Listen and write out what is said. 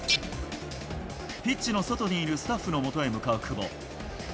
ピッチの外にいるスタッフのもとへ向かう久保。